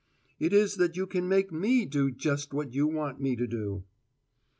"It is that you can make me do just what you want me to."